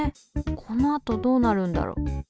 このあとどうなるんだろう？